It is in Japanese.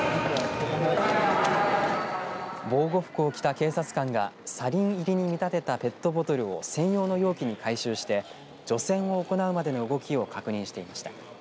防護服を着た警察官がサリン入りに見立てたペットボトルを専用の容器に回収して除染を行うまでの動きを確認していました。